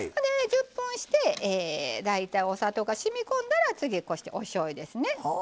１０分して大体お砂糖がしみこんだら次こうしておしょうゆですね。